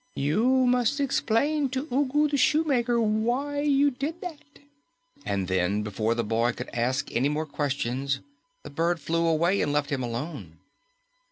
You must explain to Ugu the Shoemaker why you did that." And then, before the boy could ask any more questions, the bird flew away and left him alone.